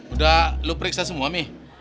udah lu periksa semua nih